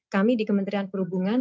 kami di kementerian perhubungan